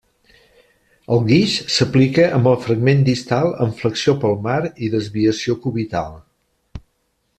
El guix s'aplica amb el fragment distal en flexió palmar i desviació cubital.